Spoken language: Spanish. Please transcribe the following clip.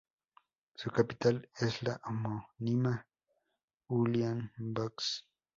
Su capital es la homónima Uliánovsk.